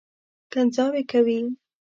کنځاوې کوي.